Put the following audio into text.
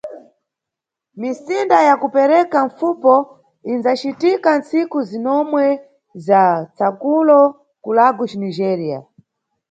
Misinda ya kupereka mpfupo inʼdzacitika ntsiku zinomwe za Tsakulo, ku Lagos, Nigéria.